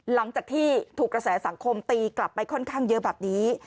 หลังจากที่ถูกกระแสสังคมตีกลับไปค่อนข้างเยอะแบบนี้